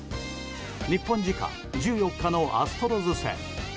日本時間１４日のアストロズ戦。